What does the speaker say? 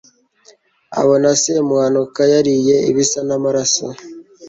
abona semuhanuka yariye ibisa n'amaraso